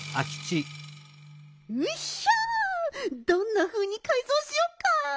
どんなふうにかいぞうしよっか。